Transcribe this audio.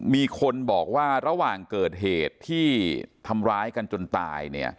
มีคนบอกว่าระหว่างเกิดเหตุที่ทำร้ายกันจนตาย